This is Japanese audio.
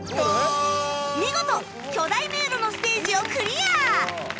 見事巨大迷路のステージをクリア！